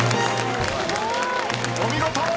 ［お見事！